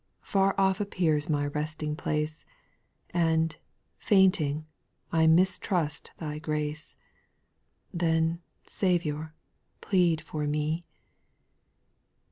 Far off appears my resting place, And, fainting, I mistrust Thy grace. Then, Saviour, plead for me.